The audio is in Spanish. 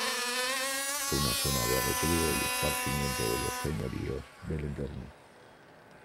Fue una zona de recreo y esparcimiento de los señoríos del entorno.